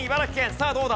さあどうだ？